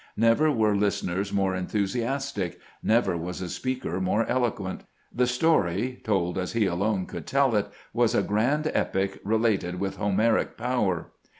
Never were listeners more enthusias tic; never was a speaker more eloquent. The story, told as he alone could tell it, was a grand epic related with Homeric power.